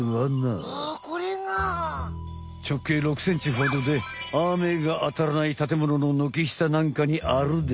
直径６センチほどであめがあたらないたてものの軒下なんかにあるでよ。